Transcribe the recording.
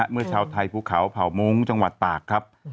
เมื่อชาวไทยภูเขาเผ่ามงค์จังหวัดตากครับ